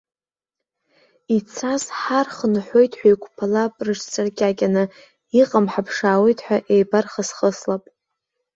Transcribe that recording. Ицаз ҳархынҳәуеит ҳәа иқәԥалап рыҽҵаркьакьаны, иҟам ҳаԥшаауеит ҳәа еибархысхылсап.